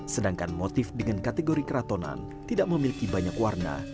sedangkan motif dengan kategori keratonan tidak memiliki banyak warna